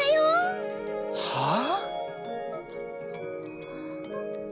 はあ？